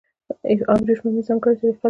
ابجوش ممیز ځانګړې طریقه لري.